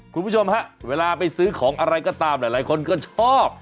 คุณผู้ชมฮะเวลาไปซื้อของอะไรก็ตามหลายคนก็ชอบ